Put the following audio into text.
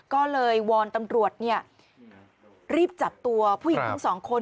ก็เลยวอนตำรวจรีบจับตัวผู้หญิงทั้งสองคน